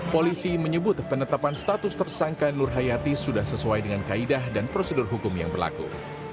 polisi menyebut penetapan status tersangka nur hayati sudah sesuai dengan kaidah dan prosedur hukum yang berlaku